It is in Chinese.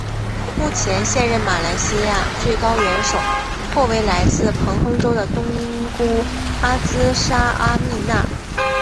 目前现任马来西亚最高元首后为来自彭亨州的东姑阿兹纱阿蜜娜。